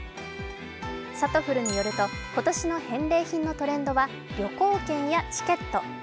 さとふるによると、今年の返礼品のトレンドは旅行券やチケット。